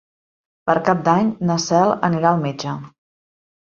Per Cap d'Any na Cel anirà al metge.